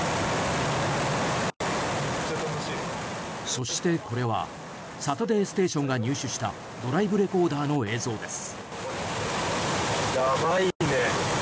そして、これは「サタデーステーション」が入手したドライブレコーダーの映像です。